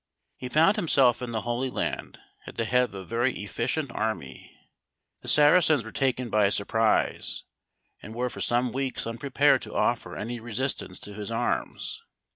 He found himself in the Holy Land at the head of a very efficient army; the Saracens were taken by surprise, and were for some weeks unprepared to offer any resistance to his arms.